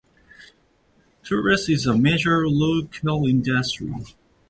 Tourism is a major local industry.